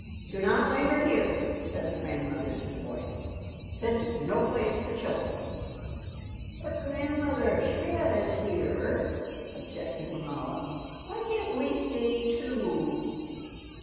"Do not linger here," said the grandmother to the boys, "this is no place for children." "But, grandmother, Shriya is here," objected Mahala; "why can't we stay, too."